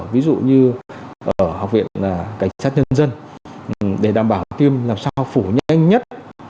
ví dụ như ở học viện cảnh sát nhân dân để đảm bảo tiêm làm sao phủ nhanh nhất